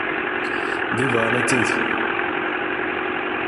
Ды вана теть.